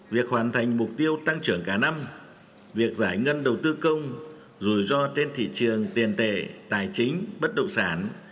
việc hoàn thành mục tiêu tăng trưởng cả năm việc giải ngân đầu tư công rủi ro trên thị trường tiền tệ tài chính bất động sản